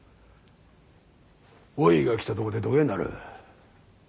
おいが来たとこでどげんなる？